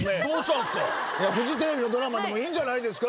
フジテレビのドラマでもいいんじゃない？いいんです。